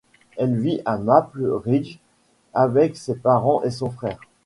Elle vit à Maple Ridge avec ses parents et son frère.